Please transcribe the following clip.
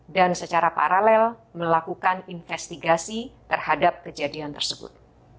dan secara paralel melakukan investigasi terhadap kejadian tersebut